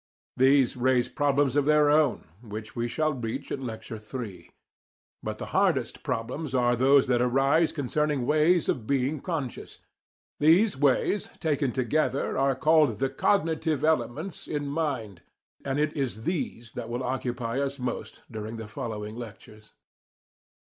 These raise problems of their own, which we shall reach in Lecture III. But the hardest problems are those that arise concerning ways of being "conscious." These ways, taken together, are called the "cognitive" elements in mind, and it is these that will occupy us most during the following lectures.